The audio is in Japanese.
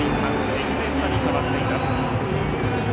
１０点差に変わっています。